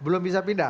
belum bisa pindah ya